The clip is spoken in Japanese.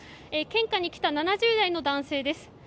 献花に来た７０代の男性です。